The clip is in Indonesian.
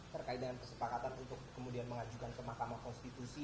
terkait dengan kesepakatan untuk kemudian mengajukan ke mahkamah konstitusi